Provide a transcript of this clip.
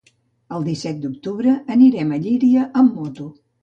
El disset d'octubre anirem a Llíria amb moto.